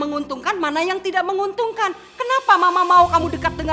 gak ada masalah masalah lagi